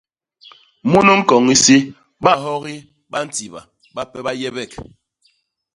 Munu ñkoñ isi bahogi ba ntiba, bape ba yebek.